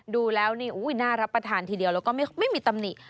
ดูแล้วนี่น่ารับประทานทีเดียวแล้วก็ไม่มีตำหนิ